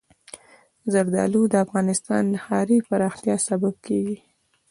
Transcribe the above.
زردالو د افغانستان د ښاري پراختیا سبب کېږي.